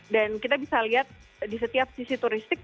dan kita bisa lihat di setiap sisi turistik